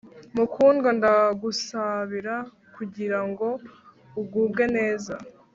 Mukundwa ndagusabira kugira ngo ugubwe neza